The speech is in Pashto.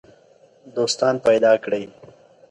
دوستان پیدا کړئ.